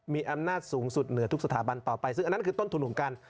มีอำนาจสูงสุดเหนือทุกสถาบันต่อไปซึ่งอันนั้นคือต้นทุนของการ